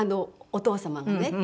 お父様がね。